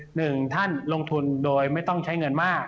หนึ่งท่านลงทุนโดยไม่ต้องใช้เงินมาก